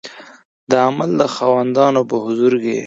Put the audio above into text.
د عمل د خاوندانو په حضور کې